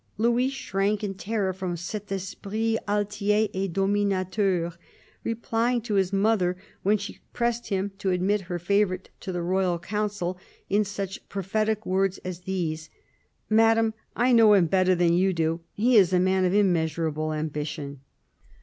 Louis shrank in terror from " cet esprit altier et dominateur," replying to his mother, when she pressed him to admit her favourite to the royal Council, in such prophetic words as these —" Madame, I know him better than you do : he is a man of immeasurable ambition."